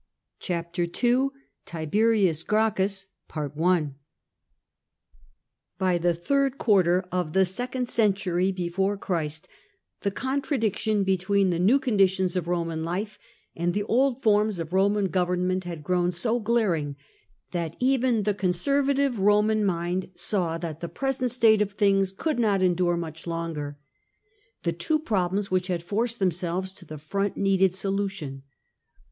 CHAPTEE II TIBEPJUS GBACOnUS By the third quarter of the second century before Christ, the contradiction between the new conditions of Eoman life and the old forms of Eoman government had grown so glaring, that even the conservative Eoman mind saw that the present state of things could not endure much longer. The two problems which had forced themselves to the front needed solution.